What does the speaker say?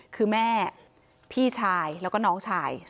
คือแม่พี่ชายแล้วก็น้องชาย